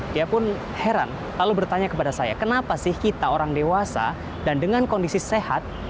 dia pun heran lalu bertanya kepada saya kenapa sih kita orang dewasa dan dengan kondisi sehat